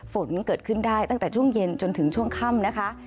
ฝนเกิดขึ้นได้ตั้งแต่ช่วงเย็นจนถึงช่วงค่ำนะคะ